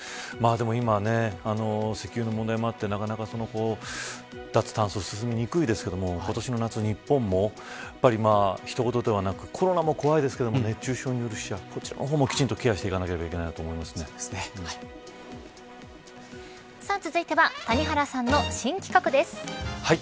でも今、石油の問題もあってなかなか脱炭素、進みにくいですけど今年の夏日本もひと事ではなくコロナも怖いですけど熱中症による死者こちらもきちんとケアしていかなければ続いては谷原さんの新企画です。